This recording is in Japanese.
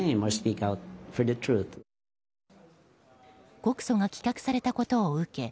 告訴が棄却されたことを受け